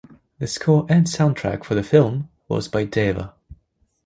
The score and soundtrack for the film was by Deva.